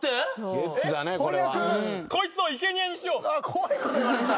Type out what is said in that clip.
怖いこと言われた！？